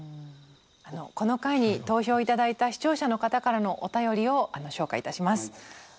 この回に投票頂いた視聴者の方からのお便りを紹介いたします。